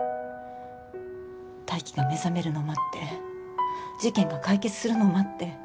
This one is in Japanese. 泰生が目覚めるの待って事件が解決するのを待って。